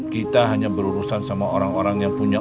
kita hanya berurusan sama orang orang yang punya